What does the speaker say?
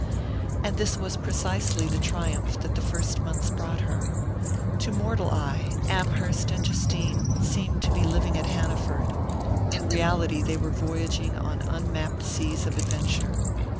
And this was precisely the triumph that the first months brought her. To mortal eye, Amherst and Justine seemed to be living at Hanaford: in reality they were voyaging on unmapped seas of adventure.